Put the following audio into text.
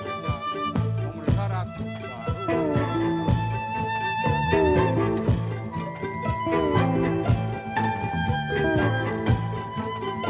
yang menjaga dari pindah pindah yang menyatakan